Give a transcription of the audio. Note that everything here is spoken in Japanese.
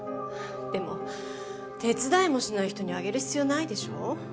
でも手伝いもしない人にあげる必要はないでしょ。